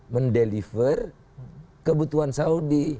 mendeliver kebutuhan saudi